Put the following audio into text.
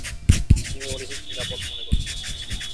তিনি অধিক নিরাপদ মনে করতেন।